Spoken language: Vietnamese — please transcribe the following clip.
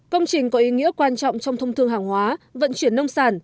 công trình có ý nghĩa quan trọng trong thông thương hàng hóa vận chuyển nông sản